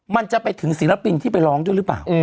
มันจะไปถึงศิลปินที่ไปร้องด้วยหรือเปล่า